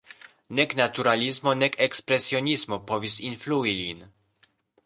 Nek naturalismo nek ekspresionismo povis influi lin.